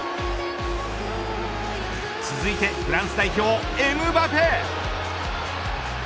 続いてフランス代表エムバペ。